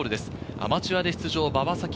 アマチュアで出場、馬場咲希。